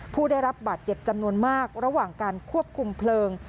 ผู้ได้รับบาดเจ็บจำนวนมากระหว่างการควบคุมเพลิง